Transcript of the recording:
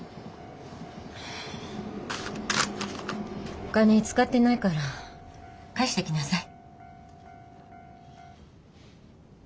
お金使ってないから返してきなさい。